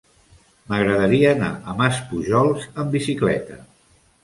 M'agradaria anar a Maspujols amb bicicleta.